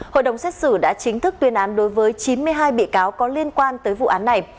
hội đồng xét xử đã chính thức tuyên án đối với chín mươi hai bị cáo có liên quan tới vụ án này